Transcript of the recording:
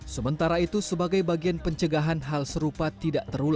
sementara itu sebagai bagian pencari